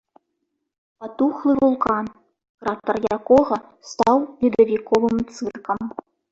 Патухлы вулкан, кратар якога стаў ледавіковым цыркам.